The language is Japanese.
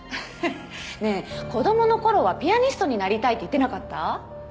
ねえ子供の頃はピアニストになりたいって言ってなかった？